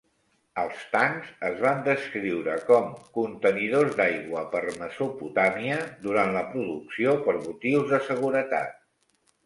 Els tancs es van descriure com "Contenidors d"aigua per Mesopotàmia" durant la producció per motius de seguretat